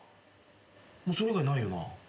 それ以外ないよな？